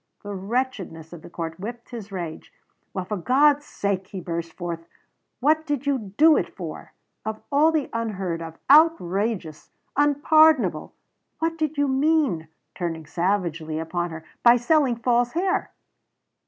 The wretchedness of the court whipped his rage. "Well for God's sake," he burst forth, "what did you do it for! Of all the unheard of outrageous unpardonable What did you mean" turning savagely upon her "by selling false hair?"